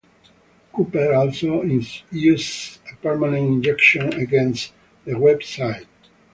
Cooper also issued a permanent injunction against the Web site.